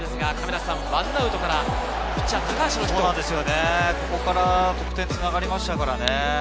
１アウトからここから得点、つながりましたよね。